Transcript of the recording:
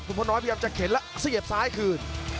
พ่อน้อยพยายามจะเข็นแล้วเสียบซ้ายคืน